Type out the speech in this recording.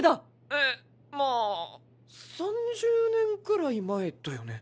えっまあ３０年くらい前だよね。